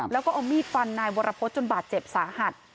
แล้วก็เอามีดฟันนายวรพฤษจนบาดเจ็บสาหัส